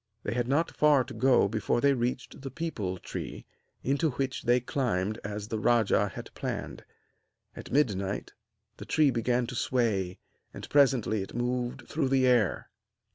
They had not far to go before they reached the peepul tree, into which they climbed as the rajah had planned. At midnight the tree began to sway, and presently it moved through the air.